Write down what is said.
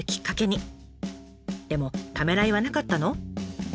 でもためらいはなかったの？